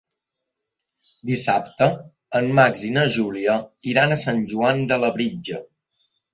Dissabte en Max i na Júlia iran a Sant Joan de Labritja.